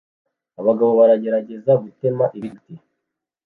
Abagabo baragerageza gutema ibiti